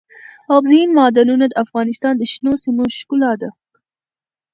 اوبزین معدنونه د افغانستان د شنو سیمو ښکلا ده.